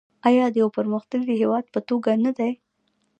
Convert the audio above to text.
آیا د یو پرمختللي هیواد په توګه نه دی؟